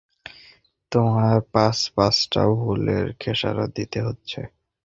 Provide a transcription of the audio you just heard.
তোমার পাঁচ-পাঁচটা ভুলের খেসারত দিতে হচ্ছে।